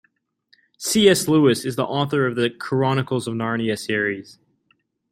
C.S. Lewis is the author of The Chronicles of Narnia series.